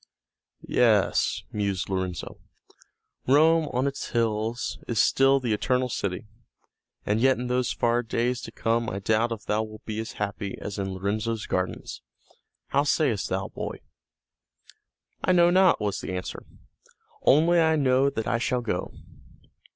"Yes," mused Lorenzo, "Rome on its hills is still the Eternal City. And yet in those far days to come I doubt if thou wilt be as happy as in Lorenzo's gardens. How sayest thou, boy?" "I know not," was the answer. "Only I know that I shall go."